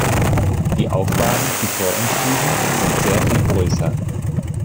Die Aufgaben, die vor uns liegen, sind sehr viel größer.